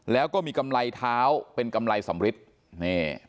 แล้วก็มีกำไรเท้าเป็นกำไรสำริทนี่